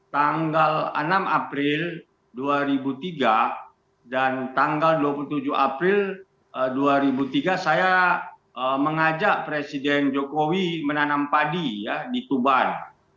tanggal enam april dua ribu tiga dan tanggal dua puluh tujuh april dua ribu tiga saya mengajak presiden jokowi menanam padi di tuban